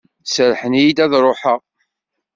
Serrḥen-iyi ad d-ruḥeɣ.